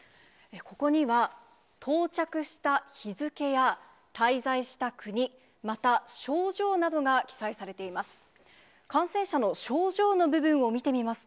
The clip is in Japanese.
ここには、到着した日付や滞在した国、また症状などが記載されています。